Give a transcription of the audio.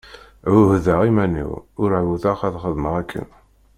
Ԑuhdeɣ iman-iw ur εawdeɣ ad xedmeɣ akken.